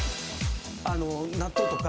あの納豆とか？